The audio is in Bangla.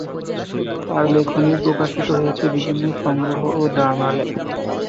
তার লেখনী প্রকাশিত হয়েছে বিভিন্ন সংগ্রহ ও জার্নালে।